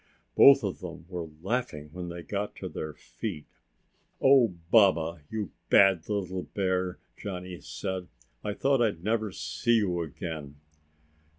Both of them were laughing when they got to their feet. "Oh, Baba, you bad little bear!" Johnny said. "I thought I'd never see you again!"